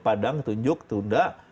padang ketunjuk tunda